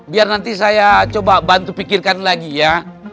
biar nanti saya coba bantu pikirkan lagi ya